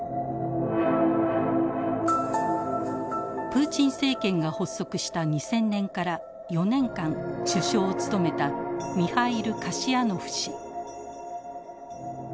プーチン政権が発足した２０００年から４年間首相を務めたミハイル・カシヤノフ氏。